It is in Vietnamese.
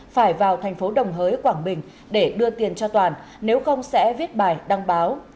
phải vào thành phố đồng hới quảng bình để đưa tiền cho toàn nếu không sẽ viết bài đăng báo